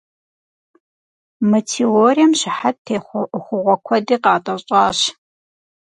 Мы теорием щыхьэт техъуэ ӏуэхугъуэ куэди къатӏэщӏащ.